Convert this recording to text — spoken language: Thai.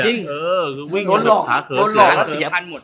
โดนหลอกแล้วเสียพันหมด